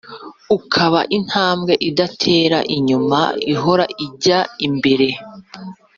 ukaba intambwe idatera inyuma ihora ijya mbere.